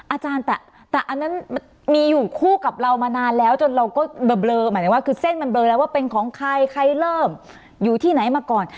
อาจารย์แต่อันนั้นมีอยู่คู่กับเรามานานแล้วจนเราก็เบลอหมายถึงว่าคือเส้นมันเลอแล้วว่าเป็นของใครใครเริ่มอยู่ที่ไหนมาก่อน